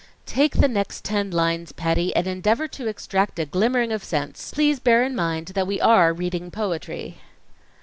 "Take the next ten lines, Patty, and endeavor to extract a glimmering of sense. Please bear in mind that we are reading poetry."